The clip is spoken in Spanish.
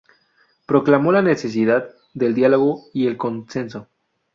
Proclamó la necesidad del diálogo y el consenso.